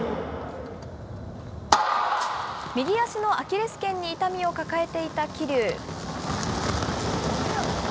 右足のアキレスけんに痛みを抱えていた桐生。